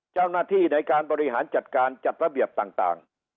เจ้าหน้าที่ในการบริหารจัดการจัดระเบียบต่าง